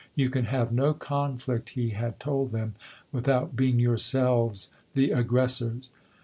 " You can have no conflict," he had told them, "without being your selves the aggressors."